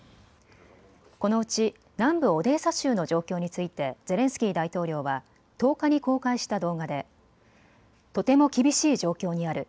このうち南部オデーサ州の状況についてゼレンスキー大統領は１０日に公開した動画でとても厳しい状況にある。